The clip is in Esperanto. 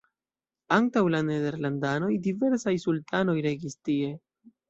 Antaŭ la nederlandanoj diversaj sultanoj regis tie.